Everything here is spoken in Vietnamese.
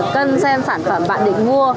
cân xem sản phẩm bạn định mua